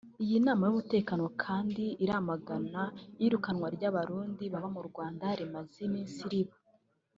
Iyi nama y’umutekano kandi iramagana iyirukanwa ry’Abarundi baba mu Rwanda rimaze iminsi riba